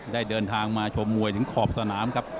ได้เดินทางมาชมมวยถึงขอบสนามครับ